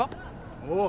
おう。